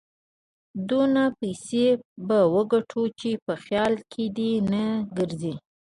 دونه پيسې به وګټو چې په خيال کې دې نه ګرځي.